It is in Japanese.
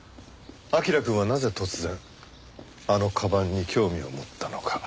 彬くんはなぜ突然あの鞄に興味を持ったのか。